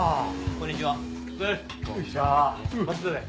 こんにちは。